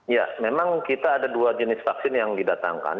ya memang kita ada dua jenis vaksin yang didatangkan